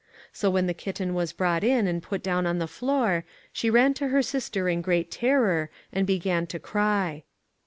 So, when the kitten was brought in and put down on the floor, she ran to her sister in great terror, and began to cry.